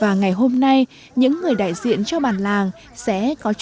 và ngày hôm nay những người đại diện cho bàn làng sẽ có chút lễ mong chờ